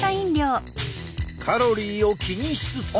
カロリーを気にしつつ。